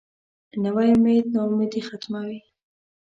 نوی امید نا امیدي ختموي